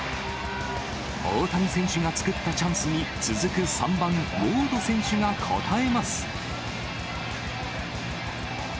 大谷選手が作ったチャンスに、続く３番ウォード選手が応えます。